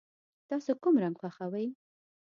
تاسو کوم رنګ خوښوئ؟